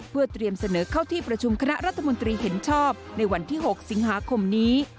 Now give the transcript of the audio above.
เพื่อเตรียมเสนอเข้าที่ประชุมคณะรัฐมนตรีเห็นชอบในวันที่๖สิงหาคมนี้